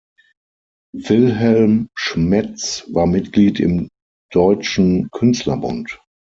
Wilhelm Schmetz war Mitglied im Deutschen Künstlerbund.